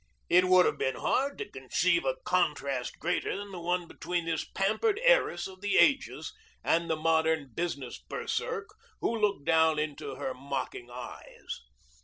It would have been hard to conceive a contrast greater than the one between this pampered heiress of the ages and the modern business berserk who looked down into her mocking eyes.